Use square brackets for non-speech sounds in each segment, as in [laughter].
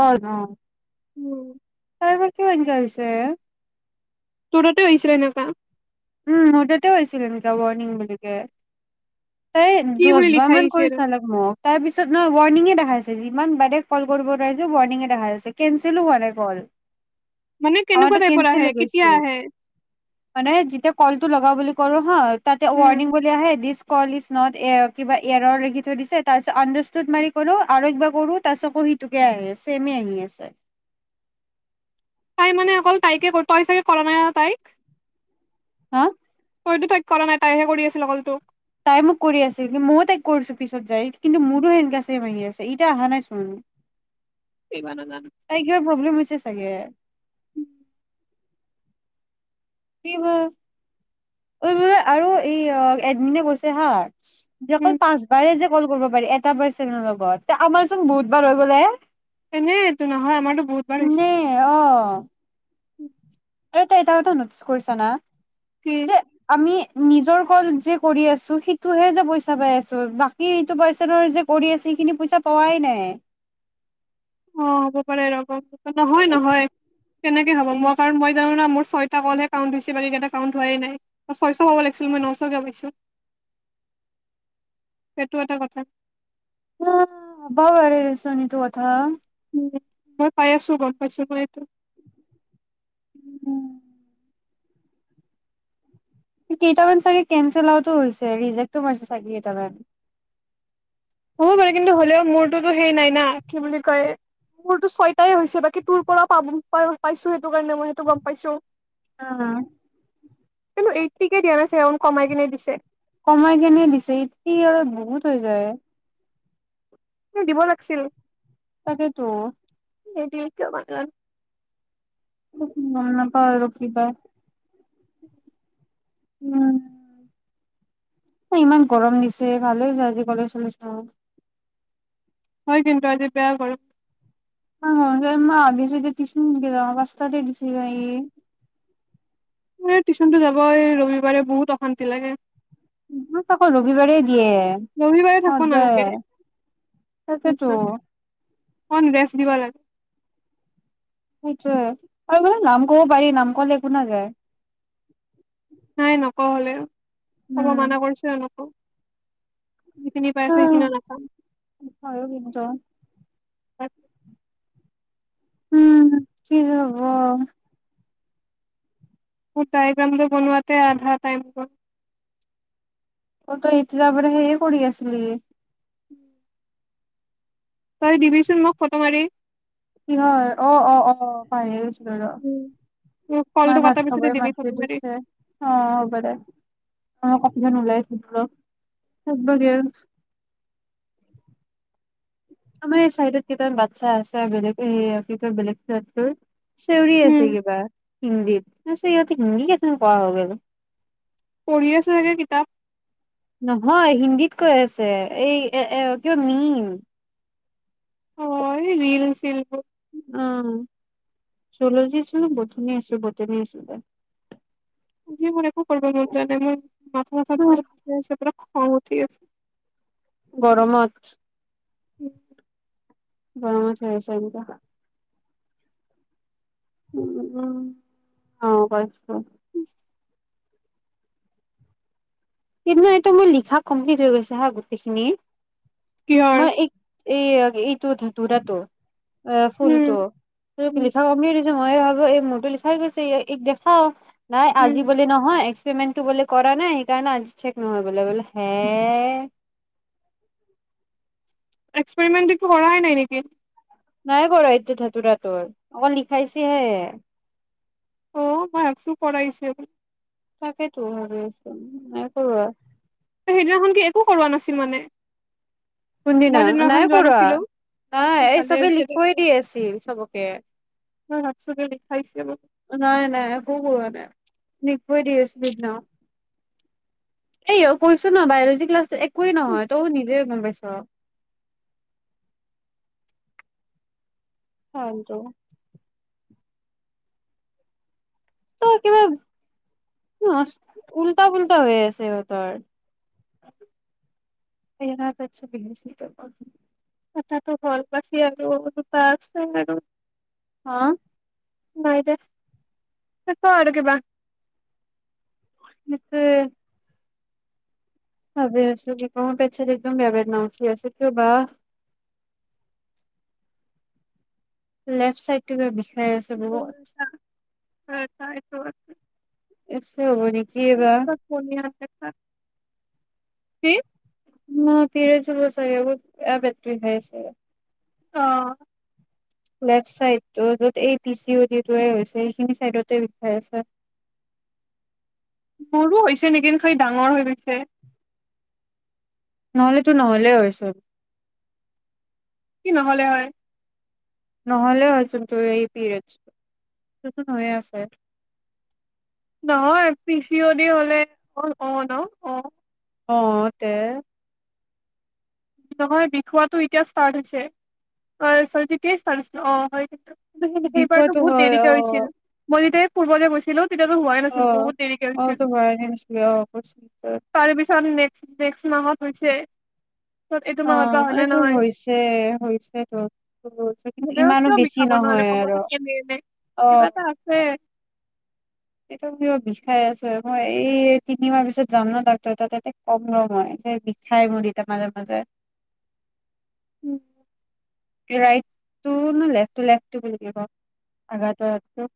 অ অ উম তাৰবা এনেকা কিয় হৈছে এক তোৰতে হৈছিলে এনেকা উম মোৰ তাতে হৈছিলে এনেকা ৱৰ্ণিং বুলিকে তাই কি বুলি দহবাৰ লিখা মান কৰি আহিছিল চাল মোক তাৰ পিছত নহ ৱৰ্ণিঙে দেখাইছে। যিমান বাৰে কল কৰিব নোৱাৰিছো বৰ্ণিঙে দেখা আছে কেনচেলো হোৱা নাই কল। মানে কেনেকুৱা আমাৰতো টাইপৰ কেনচেল আহে হৈ কেতিয়া গৈছিল আহে টো লগাও বুলি কৰো হা তাতে ৱনি্ং উম বুলি আহে দি্চ কল ইচ নত এ কিবা এৰৰ লিখি থৈ দিছে তাৰ পিছত আডুৰচুত মাৰি কৰো আৰু কিবা কৰো তাৰ পিছত ক সিটোকে আহি আ চেমে আহি আছে। তাই মানে অকল তাইকে তই চাগে কৰা নাই ন তাইক হা তইতো তাইক কৰা নাই তাইহে কৰি আছিল অকলতোক তাই মোক কৰি আছিল কি মইও তাইক কৰিছো পিছত যাই কিন্তু মোৰো সেনেুৱা চম আহি আছে ইতিয়া অহা নাই চোন। তাই কিবা প্ৰব্লেম হৈছে। চাগে। উম। কি ব ম আৰু এই এডমিনে গৈছে হা। উম অকল পাঁচবাৰে যে কল কৰিব। বাৰ এটা বাৰ চেনৰ লগত আমাৰ চোন বহুতবাৰ হৈ গ'লে হে এনেই এইটো নহয় আমাৰতো বহুতবাৰ হৈছে। নে অ উম। তই টো নোটছ কৰিছ না কি যে আমি। নিজৰ কন যি কৰি আছো সেইটোহে যে পইচা পাই আছো বাকী সেইটো বৰ্ষাবাই যে কৰি আছে সেইখিনি পইচা পাৱাই নাই অ হ'ব পাৰে ৰ নহয় নহয় কেনেকে হ'ব মই কাৰণ মই যাও মোৰ ছয়টা কলহে কাউণ্ট হৈছে বাকী কেইটা কউণ্ট হোৱাই নাই ছয়শ হ'ব লাগিছিল মই নশকে ভাবছো সেইটো এটা কথা অ হবও পাৰে দেচোন তো কথা উ মই পাই আছো গম পাইছো মই এইটো। উম। কেইটামান চাগে কেনচেল আউট হৈছে ৰিজেক্ট মাৰছে চাগে কেইটামান। হ'ব পাৰে কিন্তু হলেও মোৰটোতো সেই নাই না কি বুলি কয় মোৰতো ছয়টাই হৈছে বাকী তোৰ পৰাও পাব পাইছো সেইটো কাৰণে মই সেইটো গম পাইছো অ কিন্তু এইটটি কে দিয়া নাছে এন কমাই কিনে দিছে কমাই কেনে দিছে এইটি অলপ বহুত হৈ যায়। দিব লাগিছিল। তাকেইতো নাইনটি এইটী‌কে পাম গম নাপও আৰু কি পাও উম। উম। ইমান গৰম দিছে ভাল হয় আজি কালি আচামীজ থাক। হয় কিন্তু আজি বেয়া কৰো [unintelligible] টিউচনটো যাব ৰবিবাৰে বহুত অশান্তি লাগে। আকৌ ৰবিবাৰেই দিয়ে ৰবিবাৰে থাকিব নালাগে সদায় তাকেতো। ৰেডছ দিব লাগে। সেইটোয়ে আৰু মানে নাম কব পাৰি নাম কলে একো নাযায়। নাই নক হলে। ক'ব মানা কৰিছো এহেতেকো। নাপাম অ কি য। পাত। উম কি হব। তাই একাউণ্টটো বনোৱাতে আধা টাইম গল অ তই এতিয়া পৰা সেইয়ে কৰি আছিলি উম [inaudible] তই দিবিচোন মোক ফটো মাৰি কিহৰ অ অ অ পাৰি উম। মোক মা কলটো কটাৰ ভাত পিছতে খাবৰে দিবি মাতি ফটো মাৰি দিছে অ হ'ব দে অ কপিজন ওলাই আছো তাত বগ [unintelligible] [inaudible] আমাৰ এই চাইডত কেইটামান বাচ্ছা আছে বেলেগ কি কয় বেলেগ কিয় চেউৰি আছে উম কিবা হিন্দীত [unintelligible] ্চ ইহত হিন্দি কেথ পঢা হৈ গ পঢ়ি আছে চাগে কিতাপ নহয় হিন্দীত কৈ আছে এই এ এ কিবা মিম অ এ ৰিল চিল বুৰ অ চলি যছিল বতাহ মাৰি আছিল বতাহ মাৰি আছিলে যি ম [unintelligible] একো কৰিব মন যোৱা নাই মোৰ মাথা চাথা উম ঘূৰাই গৈছে [unintelligible] অ ঠিক আছে গৰমত এক [inaudible] ব চ চক [unintelligible] উ উম অ কৈছ কিন্তু এইটো মোৰ লিখা কমপ্লিট হৈ গৈছে হা গোটেইখিনি কিহৰ মই এক এই এইটো ধতুৰাটো [unintelligible] এ ফুলটো উম তুমি উম লিখা কমপ্লিট হৈছে নে মইয়ে ভাবো এই মূৰটো লিখাই গৈছে ই ইয়াকটো দেখাও নাই উম আজি বুলি নহয় পেমেণ্টটো বলে কৰা নাই এই কাৰণে আজি চেক নহয় বোলে বোলে হে এক্সপেৰিমেন্ট কৰাই নাই নেকি নাই কৰা এতিয়া ধাতুৰা তোৰ অকল লিখাইছেহে অ মই আছো পঢ়াই আছো তাকেইতো আৰু আছো নাই কৰোৱা সেইদিনাখন কি একো কৰাৱা নাছিল মানে কোনদিনা মই যোনদিনাখন নাই যোৱা কৰোৱা নাছিলো নাই এই ভালে চবে হৈছে দে লিখাই দি আছিল চবকে মই ভাবছো যে লিখাইছে বুলি নাই নাই একো কৰোৱা নাই লিখাই দি আছিল সেদিনা এই অ কৈছো ন বায়লজি ক্লাছ একোৱে নহয় তই নিজে গম পাইছ অ হটো [unintelligible] ত' কিবা, উল্টা-পুল্টা হৈ আছে ইহঁতৰ। [unintelligible] এটাটো হ'ল বাছি আছে আৰু মই বোলো বাছ আৰু হা! নাই দে। ক' আৰু কিবা! [unintelligible] ভাবি আছো কিবা। মোৰ পেট-চেট একদম বেয়া বেদ্না উঠি আছে কিয় বা? লেফ্ট চাইড তু কিবা বিষ [unintelligible] [unintelligible] কিবা শুনি আছে, কোৱা। কি? মোৰ পিৰিয়ডচ হ'ব চাগে মোৰ বেয়া পেট বিষাই আছে। অ'। লেফট চাইডটো। য'ত এই পি চি অ' ডিটো হৈছে এইখিনি চাইডতে বিষাই আছে। মোৰো হৈছে নেকি খালী ডাঙৰ হৈ গৈছে। ন'হলেতো নহলে হয় চব্। কি নহলে হয়? নহ'লে হয়চোন তোৰ এই পিৰিয়ড চোন। তোৰ চোন হৈয়ে আছে। নহয় পি চি অ দি হলে অ'- অ' - ন! অ'। অ'! তে! নহয় বিখুৱা টো এতিয়া ষ্টাৰ্ট হৈছে অঁ চৰী তেতিয়া এ ষ্টাৰ্ট হৈছিল অ'- হয়। কিন্তু সেই সেইবাৰতো বিষয়টো বহুত হয় দেৰিকে অ হৈছিল। মই যেতিয়া ফুৰবলে গৈছিলো ত তেতিয়াটো হোৱাই অ', নাছিল। বহুত দেৰিকে অ', হৈছিল। তো ভৰাই দিছিলি অ', তাৰেপিছত নেক্স মাহত হৈছে। পিছত এইটো অ মাহত বা হয় নে এইটো নহয় হৈছে, হৈছেতো। হৈছে কিন্তু হলেও ইমানো কিয় বেছি বিষাব নহ'লে নহয় আৰু কমৰখন এনে এনে কিবা অ'! এটা আছে এইটো কিবা বিষাই আছে। মই এই তিনিমাহ পিছত যাম ন ডাক্তৰ তাত, তেতিয়া কম ৰ' মই। যে বিষাই মোৰ এতিয়া মাজে মাজে। উম। তে ৰাইট টো? নে লেফটো, লেফ্ট টো বুলি কবি ক ভাগাৰ ধৰা তো।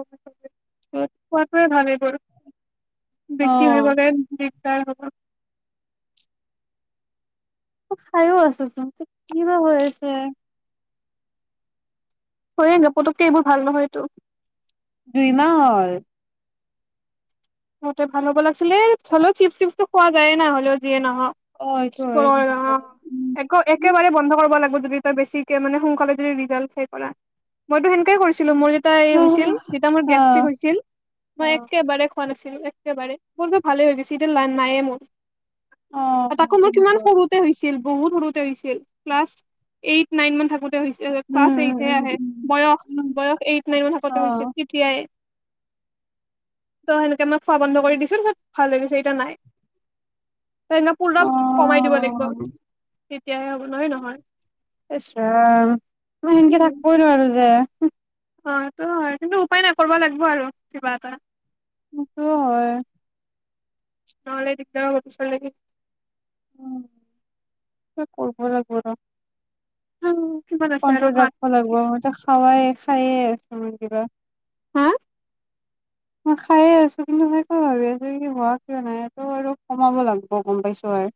অ'। খোৱাৰ পৰা হোৱা নাই। কোৱা - - বেছি হৈ অ', বাবে বিষ [unintelligible] ত' খাইয়ো আছোচোন! ত' কি বা হৈ আছে! হৈয়েতো। পুতুককে এইবোৰ ভাল নহয়টো। দুই মাহ হ'ল। মোৰ টো ভাল হ'ব লাগছিলে। হ'লেও চিপচ টিপছটো খোৱা যায়েই না হ'লেও যিয়ে নহক! অ', এইটো হয় কিন্তু অ'! উম, এক- একেবাৰে বন্ধ কৰ্ব লাগব্। দি পেলাই বেছিকে মানে ৰিজাল্ট চাই কৰা মই টো হেনেকৈ কৰছিলোঁ! তাই হইছিল। যেতিয়া মোৰ গেষ্ট্ৰিক অ', হৈছিল মই অ'। এইয়াতকে খোৱা নাছিলোঁ একেবাৰে বব ভালে হৈ গৈছে এতিয়া লাভ নাই মোৰ অ আৰু তাকো মোৰ উম কিমান সৰুতে হৈছিল বহুত সৰুতে হৈছিল, ক্লাছ এইট নায়েন মান থাকোঁতে উম ক্লাছ এইট হে আহে, উম বয়স উম বয়স এইট নাইন মানত অ থাকোতে হৈছিল তেতিয়াই ত' সেনেকে মই খোৱা বন্ধ কৰি দিছো চব ভাল গৈছে এতিয়া নাহে অ অ তেতিয়াহে হ'ব নহয় নহয় ইছ ৰাম মই সেনেকে উম। থাকিব এ নোৱাৰোঁ যে অ সেইটো হয় কিন্তু উপায় নাই, কৰিব লাগিব আৰু কিবা এটা সেইটো হয় নহলে দিগদাৰ হ'ব পিছৰ লৈকে উ কৰিব লাগিব ৰ কিমান আছে আৰু কন্ট্ৰল সাত ৰাখিব লাগিব মিনিট। মই ত খাওঁৱে খায়ে আছো আৰু কিবা হা মই খাইয়ে আছো, কিন্তু মই ভাবি আছো কি হোৱা কিয় নাইটো আৰু কমাব লাগিব গম পাইছো আৰু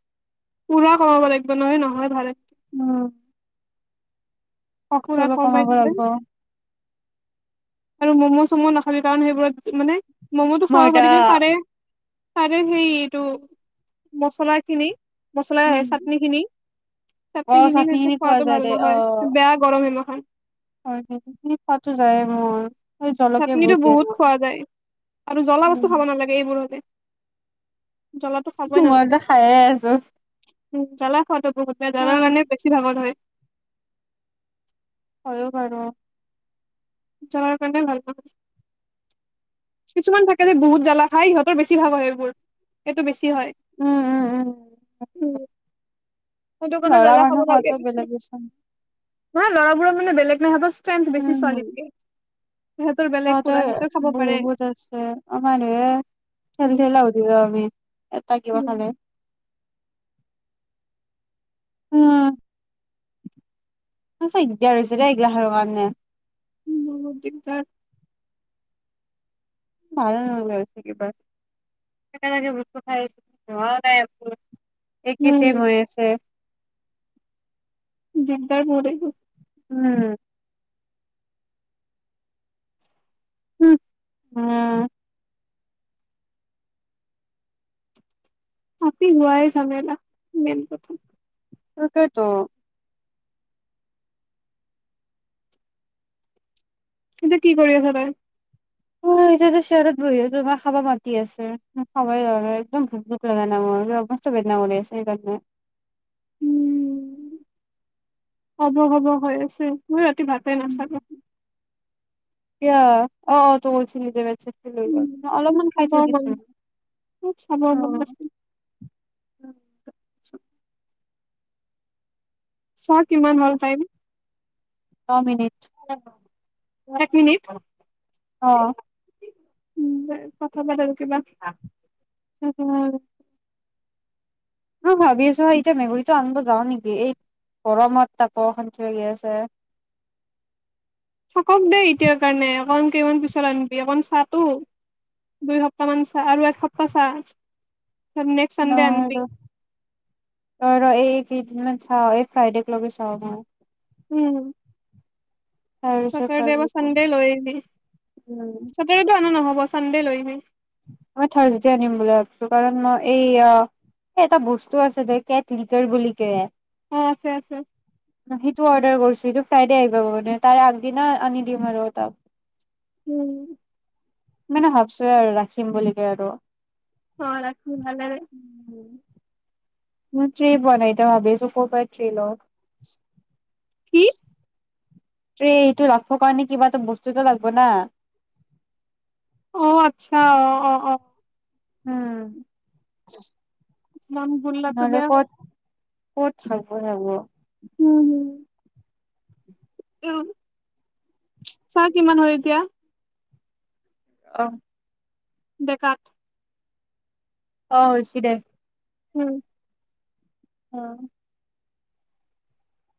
পুৰা কমাব লাগিব নহয় নহয় ভা উম কমাই দিলে [unintelligible] আৰু ম'ম' চম' নাখাবি কাৰণ সেইবোৰত মানে মমতোঘ খাও ময়দা যদি খাব পাৰে তাৰে সেই এইটো মচলা খিনি মচলাই উম আহে চাটনি খিনি অ চাটনি খিনি সু চাটনি পোৱা খোৱাতটো যায় ভাল দে নহয় অ বেয়া গৰম হেম [unintelligible] [unintelligible] জলকীয়া চাটনিটো দিয়ে ন বহুত খোৱা যায় আৰু জ্বলা বস্তু খাব নালাগে এইবোৰ সৈতে মই নালাগে যে খাইে আছো উম জলা খোৱাতো বহুতে জলাৰ উম, কাৰণে বেছি পাগল হয় বা বা জ্বলাৰ কাৰণে ভাল পাওঁ, কিছুমান থাকে যে বহুত জ্বালা খাই ইহঁতৰ বেছি ভাল হয় সেইবোৰ এইটো বেছি কি হয় উম উম উম উম সেইটো কাৰণে লৰা জ্বালা খাব মানুহ নালাগে হোৱাতটো বেছি বেলেগেচোন নহয় ল'ৰাবোৰৰ মানে বেলেগ নাই সিহঁতৰ ষ্ট্ৰেন্থ বেছি উম ছোৱালীতকে সিহঁতৰ বেলেগ পুৰা তহঁতৰ সিহঁতৰ খাব পাৰে বহুত আছে আমাৰ এ চেল উম চলও উঠি যাও আমি এটা কিবা উম খালে উম কৈছো দিগদাৰ হৈছে দেই এই গাহৰ কাৰণে। মোৰো দিগদাৰ ভালে নলগা হৈছে কিবা। এতিয়ালৈকে বস্তু চাই আছোঁ। লোৱাও নাই একো। একেই, চেম উম হৈ আছে। দিগদাৰ কৰে বহুত। উম। উম উম। আপি হোৱাই ঝামেলা। মেইন কথা। তাকেইতো। কিন্ত কি কৰি আছ তই? অ এতিয়াতো চেয়াৰত বহি আছো। ভাত খাবা মাতি আছে। ভাত খাবাই আৰু একদম ভোক লগা নাই মোৰ। অসুস্থ বেদনা কৰি আছে, সেইকাৰণে। হ'ব, হ'ব হৈ আছে। মই ৰাতি ভাতে নাখালোঁ। এতিয়া অ, অ বহুত [unintelligible] লৈ গল। মই অলপমান খাই হব থৈ বাৰু। দিছো খুব শুব মন গৈছে। উম। চোৱা কিমান হ'ল টাইম? ন মিনিট। এক, এক মিনিট? অ। উম, কথা বাৰ্টাবোৰ কিবা উ উ। অ ভাবি আছো এতিয়া মেকুৰীটো আনিব যাওঁ নেকি, এই গৰমত তাকো অশান্তি লাগি আছে। থাকক দেই এতিয়াৰ কাৰণে। অকণমান কেইমান পিছত আনিবি। অকণমান চাটো দুই সপ্তাহ মান চা আৰু এসপ্তাহ চা। নেক্সট চানডে নহয় আনিবি ৰ, ৰ ৰ এই কেইদিন মান চাওঁ। এই ফ্ৰাইডেক লৈ চাওঁ মই। উম। তাৰপিছত চাও চেটাৰদে কি বা কৰো চানডে লৈ আহবি। উম চেটাৰডেটো আনা নহব। পোৱা চানডে লৈ আহিবি। মই থাৰ্ছডে আনিম বুলি ভাবিছো, কাৰণ মই এই অ, এ এটা বস্তু আছে দে কেট লিটৰ বুলিকে। অ' আছে আছে ন সেইটো অৰ্ডাৰ কৰিছো। সেইটো ফ্ৰাইডে আহিব মানে তাৰ আগদিনা আনি দিম আৰু তাক। উম। মানে ভাবছোৱে আৰু ৰাখ খিম বুলি কে আৰু। অ ৰাখি ভালেই ম ত্ৰী বনাই থ‌ওঁ ভাবি আছো ক'ৰ পৰাই ত্ৰী ল‌ওঁ। কি [unintelligible] ত্ৰে এইটো লাগব কাৰণে কিবা এটা বস্তুটো লাগব না। অ আচ্ছা, অ অ অ। উম আলাম বুল্লাটো নহ'লে বেয়া হয়। ক'ত ক'ত হাগবা যাব উম হম উ চাহ কিমান হয় এতিয়া। অ ডে কাট আহ হৈছে দে। উম অ